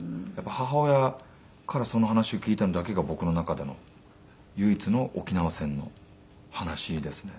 母親からその話を聞いたのだけが僕の中での唯一の沖縄戦の話ですね。